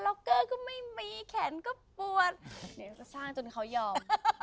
็อกเกอร์ก็ไม่มีแขนก็ปวดเดี๋ยวจะสร้างจนเขายอม